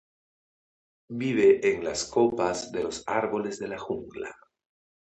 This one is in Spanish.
Vive en las copas de los árboles de la jungla.